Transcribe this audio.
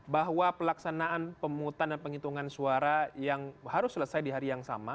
bahwa pelaksanaan pemungutan dan penghitungan suara yang harus selesai di hari yang sama